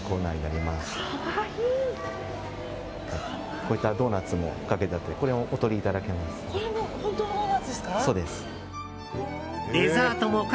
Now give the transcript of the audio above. こういったドーナツもかけてあってこれも本当のドーナツですか？